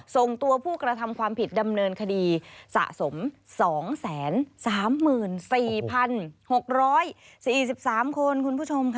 ส่งตัวผู้กระทำความผิดดำเนินคดีสะสม๒๓๔๖๔๓คนคุณผู้ชมค่ะ